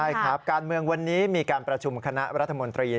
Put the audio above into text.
ใช่ครับการเมืองวันนี้มีการประชุมคณะรัฐมนตรี